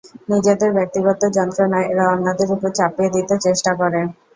নিজেদের ব্যক্তিগত যন্ত্রণা এরা অন্যদের ওপর চাপিয়ে দিতে চেষ্টা করে।